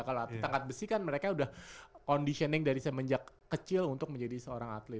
kalau atlet angkat besi kan mereka udah conditioning dari semenjak kecil untuk menjadi seorang atlet